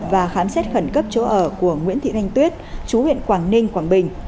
và khám xét khẩn cấp chỗ ở của nguyễn thị thanh tuyết chú huyện quảng ninh quảng bình